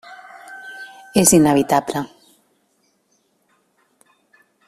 És inevitable.